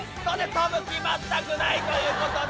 跳ぶ気全くないということで。